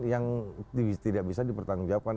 yang tidak bisa dipertanggungjawab